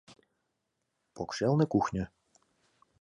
Покшелне кухньо.